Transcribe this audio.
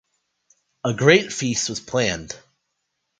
A great feast was planned.